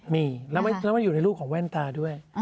มีแล้วมันอยู่ในรูปของแว่นตาด้วย